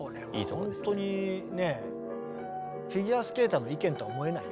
これは本当にねフィギュアスケーターの意見とは思えないよ。